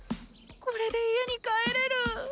これで家に帰れる。